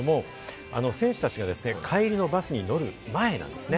選手たちが帰りのバスに乗る前なんですね。